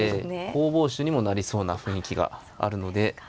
攻防手にもなりそうな雰囲気があるので。